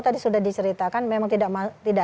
tadi sudah diceritakan memang tidak